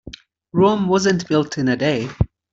Rome wasn't built in a day.